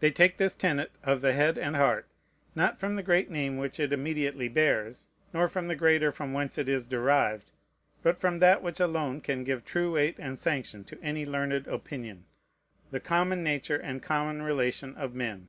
They take this tenet of the head and heart, not from the great name which it immediately bears, nor from the greater from whence it is derived, but from that which alone can give true weight and sanction to any learned opinion, the common nature and common relation of men.